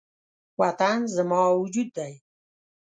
وطن زما وجود دی